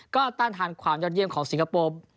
ก็ต้านทานความยอดเยี่ยมของสิงคโปร์